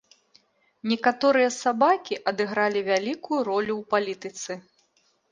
Некаторыя сабакі адыгралі вялікую ролю ў палітыцы.